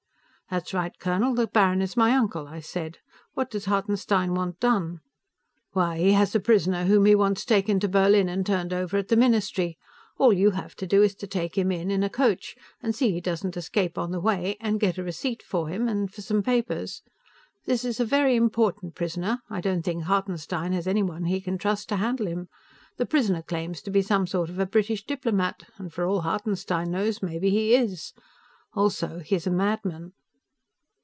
"That's right, colonel; the baron is my uncle," I said. "What does Hartenstein want done?" "Why, he has a prisoner whom he wants taken to Berlin and turned over at the Ministry. All you have to do is to take him in, in a coach, and see he doesn't escape on the way, and get a receipt for him, and for some papers. This is a very important prisoner; I don't think Hartenstein has anybody he can trust to handle him. The prisoner claims to be some sort of a British diplomat, and for all Hartenstein knows, maybe he is. Also, he is a madman."